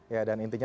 ya dan intinya